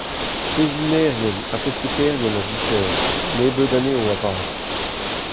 Bezhinaerien ha pesketaerien a vicher, nebeut anezho avat.